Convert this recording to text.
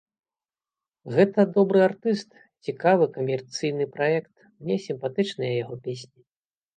Гэта добры артыст, цікавы камерцыйны праект, мне сімпатычныя яго песні.